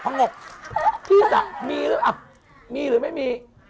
พี่จันต์มีหรือไม่มี